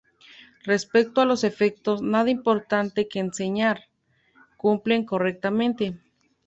Respecto a los efectos, nada importante que reseñar, cumplen correctamente.